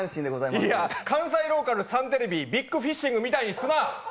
いや、関西ローカルサンテレビ、「ビッグフィッシング」みたいにするな！